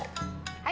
はい。